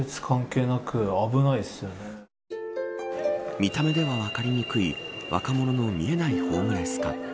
見た目では分かりにくい若者の見えないホームレス化。